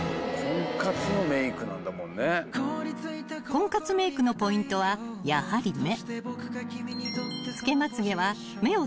［婚活メークのポイントはやはり目］